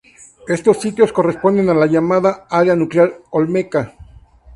Estos sitios corresponden a la llamada "área nuclear olmeca".